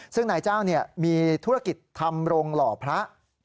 ซึ่งนายจ้างมีธุรกิจทำรงรหพะ